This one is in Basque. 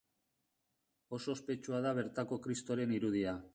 Oso ospetsua da bertako Kristoren irudia.